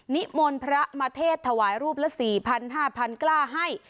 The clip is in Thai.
นิมนต์พระมาเทศถวายรูปละ๔๐๐๕๐๐กล้าให้